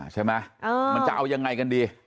ใช่ไหมมันจะเอายังไงกันดี